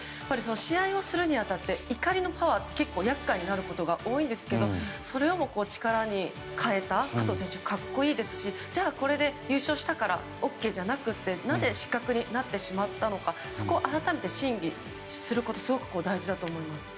試合をするに当たって怒りのパワーって結構厄介になることが多いんですけどもそれをも力に変えた加藤選手は格好いいですし、じゃあこれで優勝したからＯＫじゃなくてなぜ失格になってしまったか改めて審議することがすごく大事だと思います。